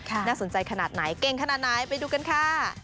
น่าสนใจขนาดไหนเก่งขนาดไหนไปดูกันค่ะ